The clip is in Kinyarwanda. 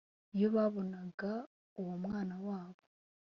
iyo babonaga uwo mwana wabo